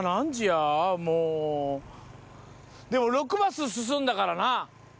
でも６マス進んだからな。